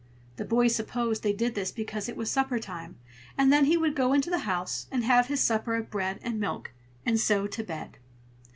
The boy supposed they did this because it was supper time; and then he would go into the house and have his supper of bread and milk, and so to bed.